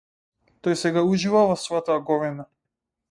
Тој сега ужива во својата аговина.